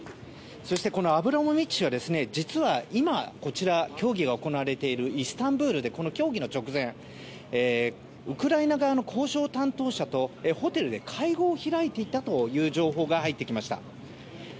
そして、このアブラモビッチ氏は実は今、協議が行われているイスタンブールで協議の直前にウクライナ側の交渉担当者とホテルで会合を開いていたという情報が入ってきました。